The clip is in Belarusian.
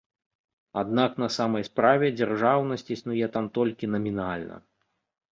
Аднак на самай справе дзяржаўнасць існуе там толькі намінальна.